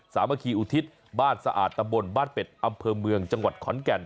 สามัคคีอุทิศบ้านสะอาดตำบลบ้านเป็ดอำเภอเมืองจังหวัดขอนแก่น